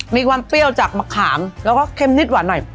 มีความเปรี้ยวจากมะขามแล้วก็เข้มนิดหวานหน่อย